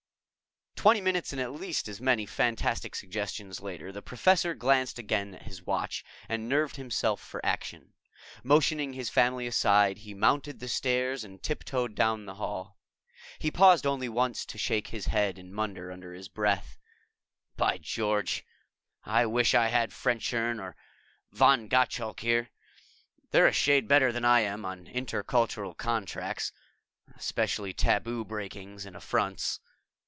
_" Twenty minutes and at least as many fantastic suggestions later, the Professor glanced again at his watch and nerved himself for action. Motioning his family aside, he mounted the stairs and tiptoed down the hall. He paused only once to shake his head and mutter under his breath, "By George, I wish I had Fenchurch or von Gottschalk here. They're a shade better than I am on intercultural contracts, especially taboo breakings and affronts